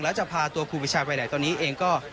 แล้วจะพาตัวครูปีชาไปไหนตอนนี้เองก็